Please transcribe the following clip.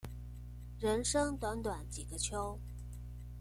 人生短短幾個秋